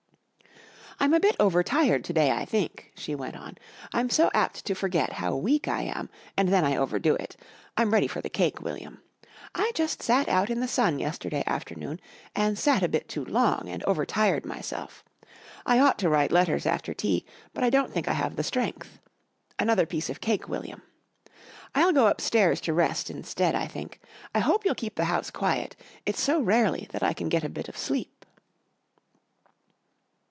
"I'm a bit over tired to day, I think," she went on. "I'm so apt to forget how weak I am and then I overdo it. I'm ready for the cake, William. I just sat out in the sun yesterday afternoon and sat a bit too long and over tired myself. I ought to write letters after tea, but I don't think I have the strength. Another piece of cake, William. I'll go upstairs to rest instead, I think. I hope you'll keep the house quiet. It's so rarely that I can get a bit of sleep."